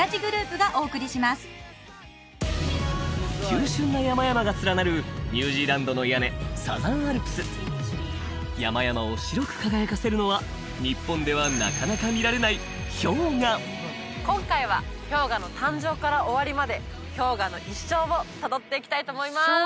急しゅんな山々が連なるニュージーランドの屋根山々を白く輝かせるのは日本ではなかなか見られない今回は氷河の誕生から終わりまで氷河の一生をたどっていきたいと思います